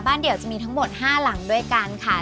บ้านเดี่ยวมีทั้งหมดห้ารำด้วยกันค่ะ